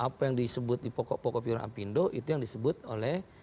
apa yang disebut di pokok pokok film apindo itu yang disebut oleh